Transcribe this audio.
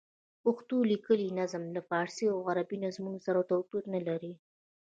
پښتو لیکلی نظم له فارسي او عربي نظمونو سره توپیر نه لري.